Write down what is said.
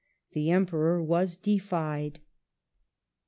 The Emperor was defied.